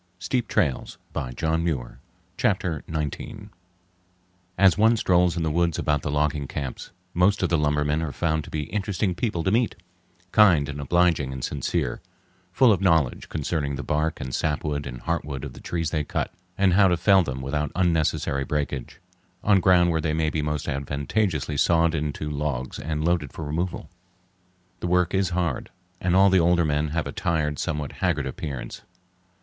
People and Towns of Puget Sound As one strolls in the woods about the logging camps, most of the lumbermen are found to be interesting people to meet, kind and obliging and sincere, full of knowledge concerning the bark and sapwood and heartwood of the trees they cut, and how to fell them without unnecessary breakage, on ground where they may be most advantageously sawed into logs and loaded for removal. The work is hard, and all of the older men have a tired, somewhat haggard appearance.